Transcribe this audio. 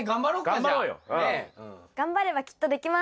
頑張ればきっとできます！